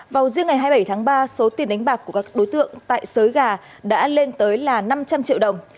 vào riêng ngày hai mươi bảy tháng ba số tiền đánh bạc của các đối tượng tại xới gà đã lên tới là năm trăm linh triệu đồng